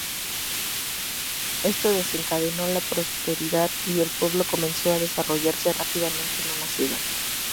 Esto desencadenó la prosperidad y el pueblo comenzó a desarrollarse rápidamente en una ciudad.